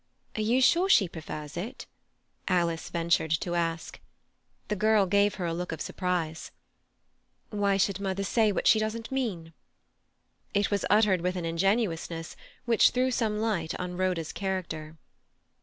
"Are you sure she prefers it?" Alice ventured to ask. The girl gave her a look of surprise. "Why should mother say what she doesn't mean?" It was uttered with an ingenuousness which threw some light on Rhoda's character.